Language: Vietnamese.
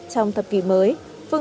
trong thập kỷ vật